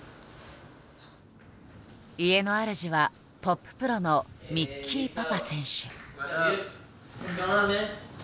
家のあるじはトッププロのミッキー・パパ選手。